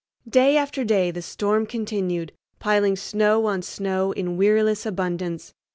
Day after day the storm continued, piling snow on snow in weariless abundance.